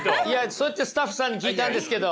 そうやってスタッフさんに聞いたんですけど。